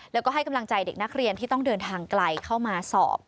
แล้วก็ให้กำลังใจเด็กนักเรียนที่ต้องเดินทางไกลเข้ามาสอบ